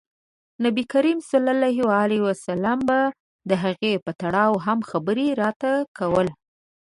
نبي کریم ص به د هغې په تړاو هم خبره راته کوله.